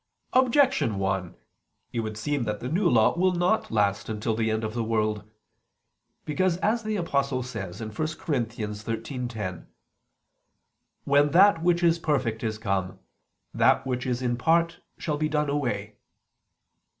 Objection 1: It would seem that the New Law will not last until the end of the world. Because, as the Apostle says (1 Cor. 13:10), "when that which is perfect is come, that which is in part shall be done away."